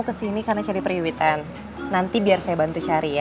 kesini karena cari periwitan nanti biar saya bantu cari ya